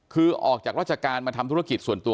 คือออกจากราชการมาทำธุรกิจส่วนตัว